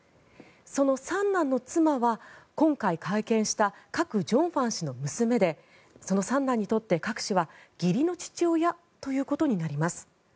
その三男の妻は今回会見したカク・ジョンファン氏の娘でその三男にとってカク氏は義理の父親ということになります。